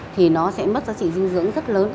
thì nó sẽ mất giá trị dinh dưỡng rất lớn